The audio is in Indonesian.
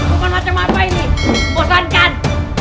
hukuman macam apa ini bosankan